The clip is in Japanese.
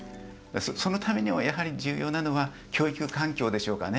そのためにも重要なのは教育環境でしょうかね。